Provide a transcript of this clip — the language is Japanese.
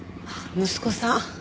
息子さん。